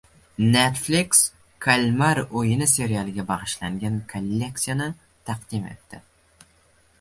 Netflix Kalmar o‘yini serialiga bag‘ishlangan kolleksiyani taqdim etdi